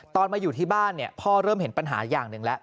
มาอยู่ที่บ้านพ่อเริ่มเห็นปัญหาอย่างหนึ่งแล้ว